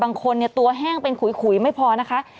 บางคนเนี่ยตัวแห้งเป็นขุยไม่พอนะคะ